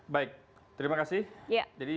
baik terima kasih jadi